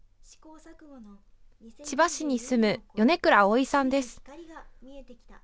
千葉市に住む米倉碧さんです。